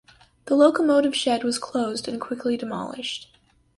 The locomotive shed was closed and quickly demolished.